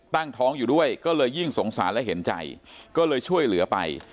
ตั้งท้องอยู่ด้วยก็เลยยิ่งสงสารและเห็นใจก็เลยช่วยเหลือไป